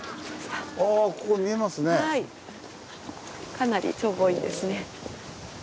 かなり眺望いいですね。